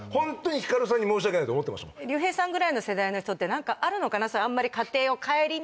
もん竜兵さんぐらいの世代の人って何かあるのかな